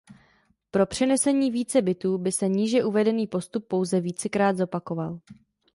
Pro přenesení více bitů by se níže uvedený postup pouze vícekrát zopakoval.